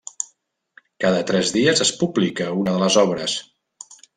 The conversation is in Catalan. Cada tres dies es publica una de les obres.